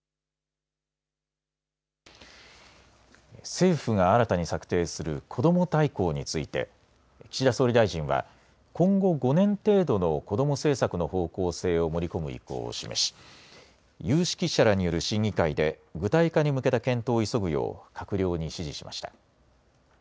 政府が新たに策定するこども大綱について岸田総理大臣は今後５年程度の子ども政策の方向性を盛り込む意向を示し有識者らによる審議会で具体化に向けた検討を急ぐよう閣僚に指示しました。